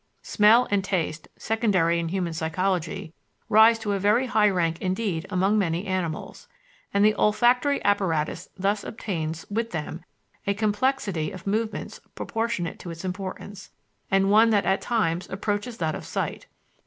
Smell and taste, secondary in human psychology, rise to a very high rank indeed among many animals, and the olfactory apparatus thus obtains with them a complexity of movements proportionate to its importance, and one that at times approaches that of sight.